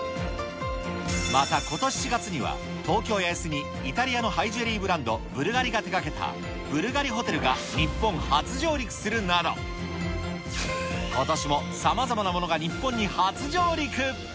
また、ことし４月には、東京・八重洲にハイジュエリーブランド、ブルガリが手がけたブルガリホテルが日本初上陸するなど、ことしもさまざまなものが日本に初上陸。